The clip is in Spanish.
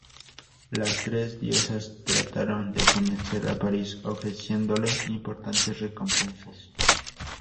Las tres diosas trataron de convencer a Paris ofreciendole importantes recompensas.